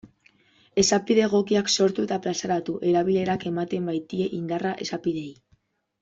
Esapide egokiak sortu eta plazaratu, erabilerak ematen baitie indarra esapideei.